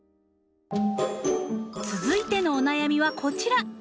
続いてのお悩みはこちら。